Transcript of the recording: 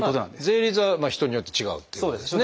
税率は人によって違うっていうことですね。